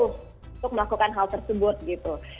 untuk melakukan hal tersebut gitu